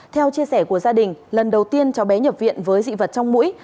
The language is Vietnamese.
theo chia sẻ của gia đình lần đầu tiên cháu bé nhập viện với dị vật trong mũi